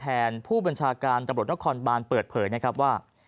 แทนผู้บจการตำรวจนครบานเปิดเผยค่ะว่า